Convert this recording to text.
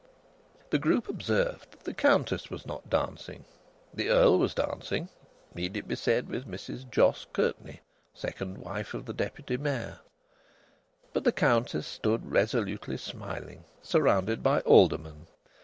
The group observed that the Countess was not dancing. The Earl was dancing (need it be said with Mrs Jos Curtenty, second wife of the Deputy Mayor?), but the Countess stood resolutely smiling, surrounded by aldermen.